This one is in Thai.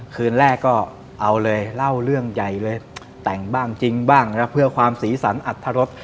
คืนแรกก็เอาเลยเล่าเรื่องใยเลยแต่งบ้างจริงบ้างแล้วเพื่อความศีรสรรค์อัตภรรก